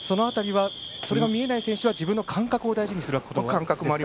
それが見えない選手は自分の感覚を大事にするということですか。